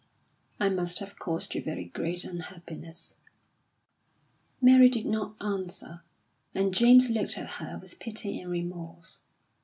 "I must have caused you very great unhappiness?" Mary did not answer, and James looked at her with pity and remorse.